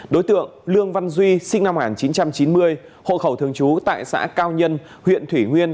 đối tượng lương văn duy sinh năm một nghìn chín trăm chín mươi hộ khẩu thường trú tại xã cao nhân huyện thủy nguyên